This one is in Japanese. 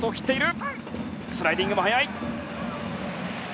スライディングも速い。